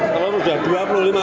telur sudah bulat